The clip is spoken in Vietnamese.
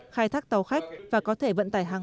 khai thác tàu khách và có thể vận tải hàng